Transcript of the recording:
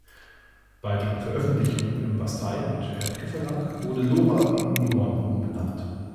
Bei den Veröffentlichungen im Bastei- und Hethke-Verlag wurde Lora in Yvonne umbenannt.